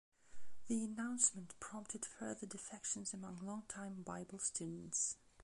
The announcement prompted further defections among long-time Bible Students.